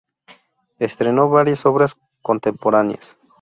Estrenó varias obras contemporáneas.